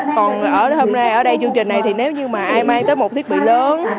còn ở hôm nay ở đây chương trình này thì nếu như mà ai mang tới một thiết bị lớn